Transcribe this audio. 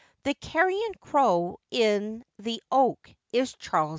The 'Carrion Crow' in the oak is Charles II.